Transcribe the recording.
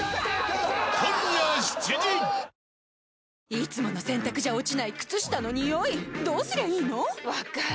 いつもの洗たくじゃ落ちない靴下のニオイどうすりゃいいの⁉分かる。